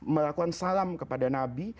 melakukan salam kepada nabi